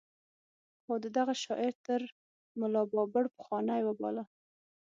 خو ده دغه شاعر تر ملا بابړ پخوانۍ وباله.